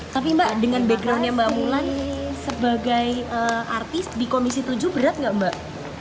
tapi mbak dengan backgroundnya mbak mulan sebagai artis di komisi tujuh berat nggak mbak